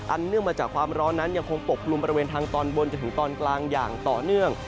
เนื่องมาจากความร้อนนั้นยังคงปกลุ่มบริเวณทางตอนบนจนถึงตอนกลางอย่างต่อเนื่อง